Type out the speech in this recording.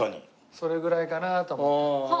それぐらいかなと思って。